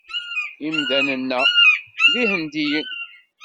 Imdanen-a d Ihendiyen.